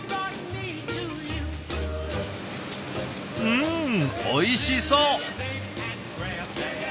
うんおいしそう！